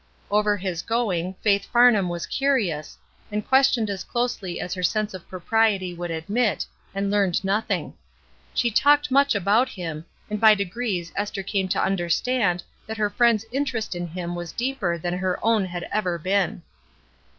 Over his going, Faith Farnham was curious, and questioned as closely as her sense of pro priety would admit, and learned nothing. She talked much about him, and by degrees Esther came to understand that her friend's interest in him was deeper than her own had ever been.